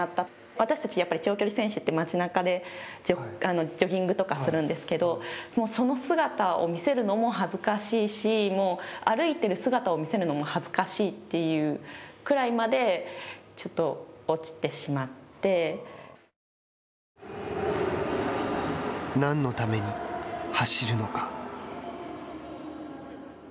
私たち、やっぱり長距離選手って町なかでジョギングとかをするんですけどもう、その姿を見せるのも恥ずかしいしもう、歩いている姿を見せるのも恥ずかしいというくらいまで何のために走るのか。